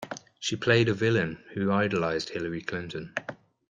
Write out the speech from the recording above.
She played a villain, who idolized Hillary Clinton.